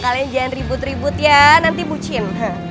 kalian jangan ribut ribut ya nanti bucin